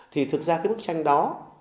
thì thực ra cái bức tranh đó